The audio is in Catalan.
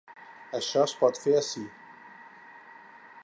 Això es pot fer ací.